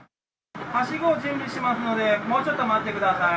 はしごを準備しますので、もうちょっと待ってください。